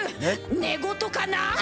寝言かな？